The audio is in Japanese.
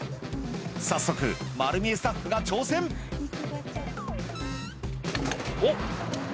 早速まる見えスタッフが挑戦おっ！